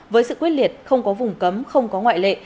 với sự quyết liệt không có vùng cấm không có ngoại lệ